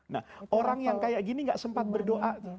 nah orang yang kayak gini gak sempat berdoa